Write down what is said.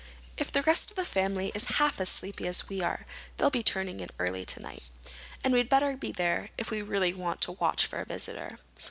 If the rest of the family is half as sleepy as we are, they'll be turning in early tonight. And we'd better be there if we really want to watch for a visitor."